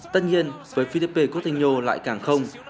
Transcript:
tất nhiên với filipe coutinho lại cảng không